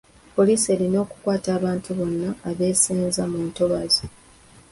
Poliisi erina okukwata abantu bonna abeesenza mu ntobazi.